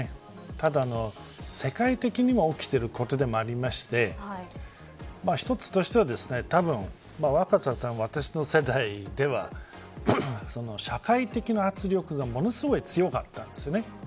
ただ、世界的にも起きていることでもありまして一つとしては、たぶん若狭さんと私の世代では社会的な圧力がものすごい強かったんですよね。